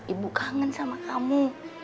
ibu kangen sama kamu